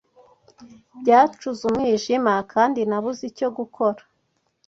Byacuze umwijima kandi nabuze icyo gukora